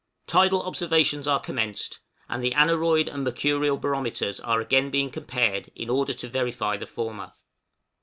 Tidal observations are commenced; and the aneroid and mercurial barometers are again being compared in order to verify the former.